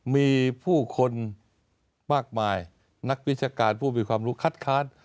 มีผู้คนมากมายนักวิชาการผู้มีความรู้คัดค้าน